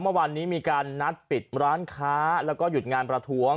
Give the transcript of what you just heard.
เมื่อวานนี้มีการนัดปิดร้านค้าแล้วก็หยุดงานประท้วง